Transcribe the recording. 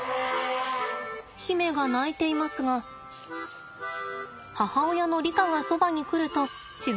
媛が鳴いていますが母親のリカがそばに来ると静まりました。